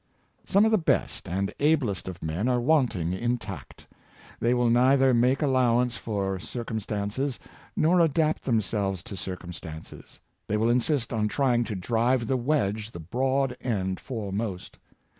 Some of the best and ablest of men are wanting in tact. They will neither make allowance for circum stances, nor adapt themselves to circumstances; they will insist on trying to drive the wedge the broad end foremost.